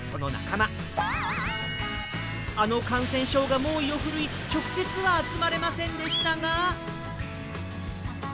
あの感染症が猛威を振るい直接は集まれませんでしたが。